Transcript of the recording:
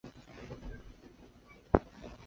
是天主教横滨教区的主教座堂。